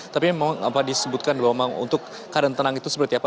tapi memang disebutkan bahwa memang untuk keadaan tenang itu seperti apa